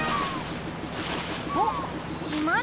おっしまだ。